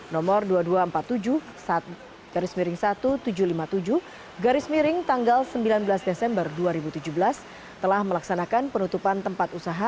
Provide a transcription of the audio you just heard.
nomor dua ribu dua ratus empat puluh tujuh seribu tujuh ratus lima puluh tujuh sembilan belas dua ribu tujuh belas telah melaksanakan penutupan tempat usaha